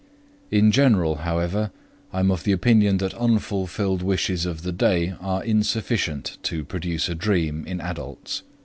In general, however, I am of the opinion that unfulfilled wishes of the day are insufficient to produce a dream in adults.